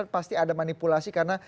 pasti ada manipulasi karena